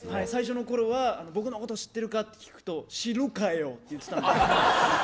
最初のころは僕のことを知ってるかと聞くと知るかよ！って言ってたんで。